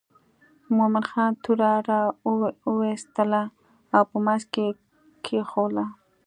مومن خان توره را وایستله او په منځ یې کېښووله.